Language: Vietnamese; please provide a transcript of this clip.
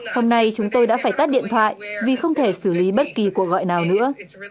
hôm nay chúng tôi đã phải tắt điện thoại vì không thể xử lý bất kỳ cuộc gọi nào nữa